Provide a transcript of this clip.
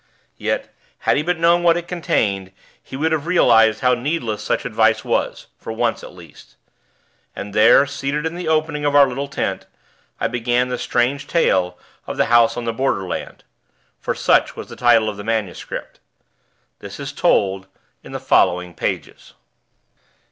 Yet, had he but known what it contained, he would have realized how needless such advice was, for once at least. And there seated in the opening of our little tent, I began the strange tale of The House on the Borderland (for such was the title of the MS.); this is told in the following pages.